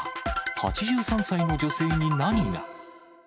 ８３歳の女性に何が？